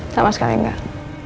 sama sekali tidak